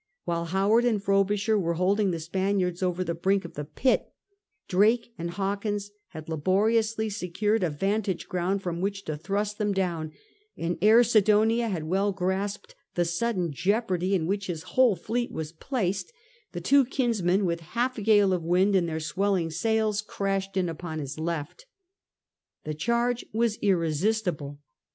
While Howard and Frobisher were holding the Spaniards over the brink of the pit, Drake and Ebiwkins had laboriously secured a vantage ground from which to thrust them down; and ere Sidonia had well grasped the sudden jeopardy in which his whole fleet was placed, the two kinsmen, with half a gale of wind in their swelling sails, crashed in upon his left The charge was irresistible.